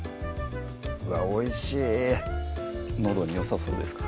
うわおいしいのどによさそうですか？